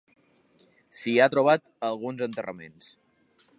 S’hi ha trobat alguns enterraments.